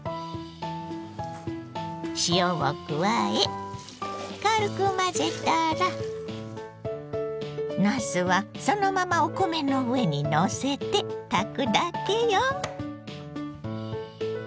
塩を加え軽く混ぜたらなすはそのままお米の上にのせて炊くだけよ。